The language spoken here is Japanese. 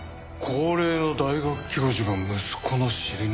高齢の大学教授が息子の尻拭いを。